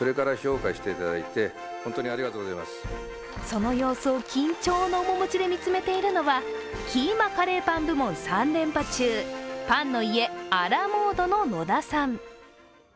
その様子を緊張の面持ちで見つめているのはキーマカレーパン部門３連覇中、パンの家あ・ら・もーどの野田さん。